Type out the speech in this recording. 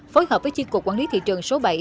phối hợp với chi cục quản lý thị trường số bảy